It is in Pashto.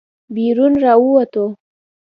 بېرون راووتو.